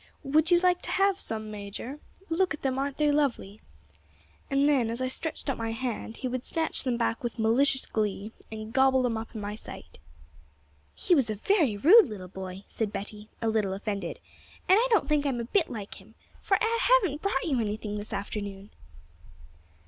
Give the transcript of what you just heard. "Would you like to have some, major? Look at them; aren't they lovely?" And then, as I stretched out my hand, he would snatch them back with malicious glee, and gobble them up in my sight.' 'He was a very rude little boy,' said Betty, a little offended, 'and I don't think I'm a bit like him, for I haven't brought you anything this afternoon.'